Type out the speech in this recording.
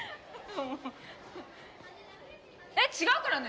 えっ違うからね！